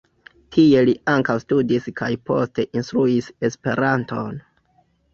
Tie li ankaŭ studis kaj poste instruis Esperanton.